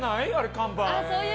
看板。